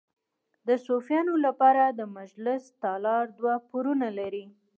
د صوفیانو لپاره د مجلس تالار دوه پوړونه لري.